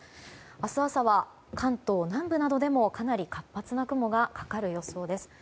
明日朝は関東南部などでもかなり活発な雲がかかる予想です。